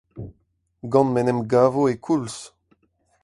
Gant m'en em gavo e-koulz.